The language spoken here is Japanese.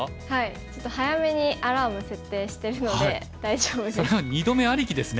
ちょっと早めにアラーム設定してるので大丈夫です。